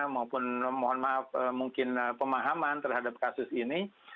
maupun mohon maaf mungkin pemahaman terhadap kasus ini